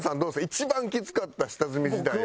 一番きつかった下積み時代は。